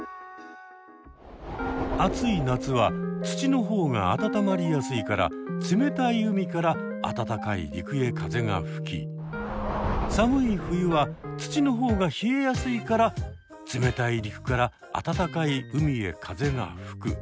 暑い夏は土の方が温まりやすいから冷たい海から暖かい陸へ風がふき寒い冬は土の方が冷えやすいから冷たい陸から暖かい海へ風がふく。